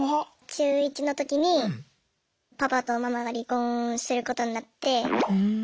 中１の時にパパとママが離婚することになって。